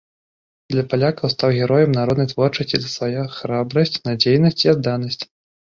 Для палякаў стаў героем народнай творчасці за свае храбрасць, надзейнасць і адданасць.